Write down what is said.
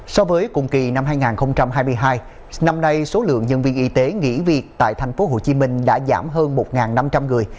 so với cùng kỳ năm hai nghìn hai mươi hai năm nay số lượng nhân viên y tế nghỉ việc tại tp hcm đã giảm hơn một năm trăm linh người